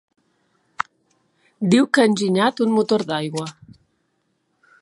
Diu que ha enginyat un motor d'aigua.